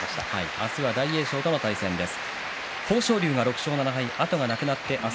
明日は大栄翔との対戦です。